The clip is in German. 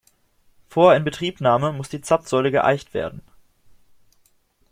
Vor Inbetriebnahme muss die Zapfsäule geeicht werden.